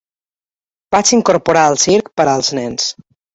Vaig incorporar el circ per als nens.